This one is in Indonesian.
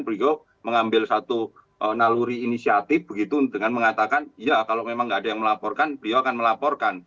beliau mengambil satu naluri inisiatif begitu dengan mengatakan ya kalau memang tidak ada yang melaporkan beliau akan melaporkan